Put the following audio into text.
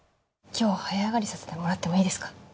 今日早上がりさせてもらってもいいですか？